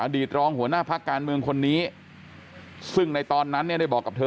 ตรองหัวหน้าพักการเมืองคนนี้ซึ่งในตอนนั้นเนี่ยได้บอกกับเธอ